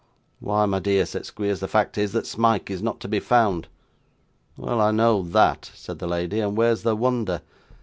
'Why, my dear,' said Squeers, 'the fact is, that Smike is not to be found.' 'Well, I know that,' said the lady, 'and where's the wonder?